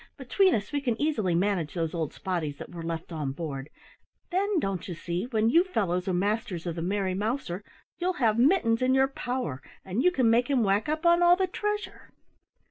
Between us we can easily manage those old spotties that were left on board. Then, don't you see, when you fellows are masters of the Merry Mouser, you'll have Mittens in your power and you can make him whack up on all the treasure!"